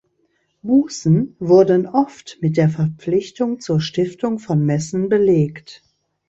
Bußen wurden oft mit der Verpflichtung zur Stiftung von Messen belegt.